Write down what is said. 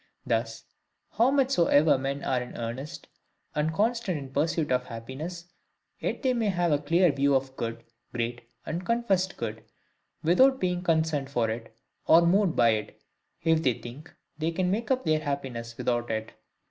Thus, how much soever men are in earnest and constant in pursuit of happiness, yet they may have a clear view of good, great and confessed good, without being concerned for it, or moved by it, if they think they can make up their happiness without it.